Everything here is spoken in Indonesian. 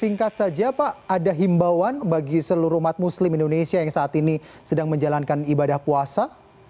singkat saja pak ada himbauan bagi seluruh umat muslim indonesia yang saat ini sedang menjalankan ibadah puasa